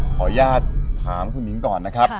ขออนุญาตถามคุณหญิงก่อนนะครับ